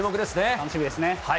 楽しみですね。